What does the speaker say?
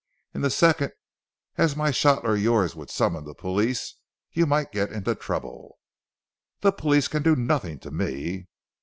In the second as my shot or yours would summon the police, you might get into trouble." "The police can do nothing to me."